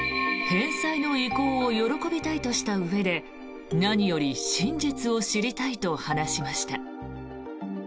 返済の意向を喜びたいとしたうえで何より真実を知りたいと話しました。